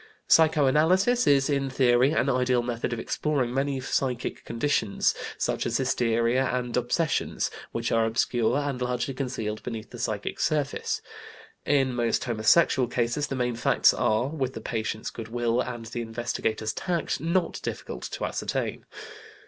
Psycho analysis is, in theory, an ideal method of exploring many psychic conditions, such as hysteria and obsessions, which are obscure and largely concealed beneath the psychic surface. In most homosexual cases the main facts are, with the patient's good will and the investigator's tact, not difficult to ascertain.